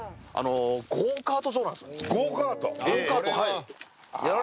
ゴーカート？